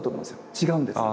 違うんです。